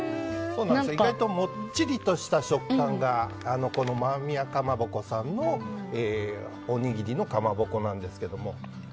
意外ともっちりとした食感がマーミヤかまぼこさんのおにぎりのかまぼこなんですけど。